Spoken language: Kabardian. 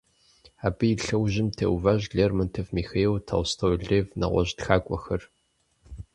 Абы и лъэужьым теуващ Лермонтов Михаил, Толстой Лев, нэгъуэщӏ тхакӏуэхэр.